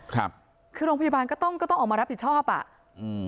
ครับคือโรงพยาบาลก็ต้องก็ต้องออกมารับผิดชอบอ่ะอืม